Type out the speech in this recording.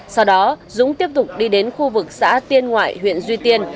sau đó dũng tiếp tục đi đến khu vực xã tiên ngoại huyện duy tiên